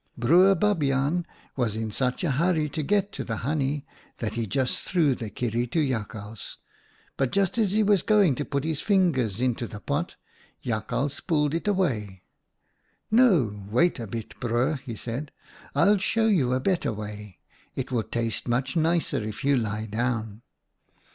" Boer Babiaan was in such a hurry to get to the honey that he just threw the kierie to Jakhals, but just as he was going to put his fingers into the pot, Jakhals pulled it away. "' No, wait a bit, Broer,' he said. ' I'll show you a better way. It will taste much nicer if you lie down.'